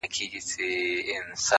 انسانانو اوس له ما دي لاس پرېولي؛